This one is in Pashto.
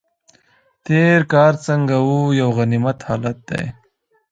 تېر که هر څنګه و یو غنیمت حالت دی.